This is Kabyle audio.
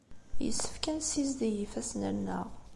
Yessefk ad nessizdig ifassen-nneɣ.